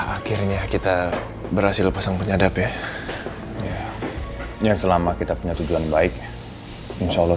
akhirnya kita berhasil pasang penyadap ya ya selama kita punya tujuan baik insya allah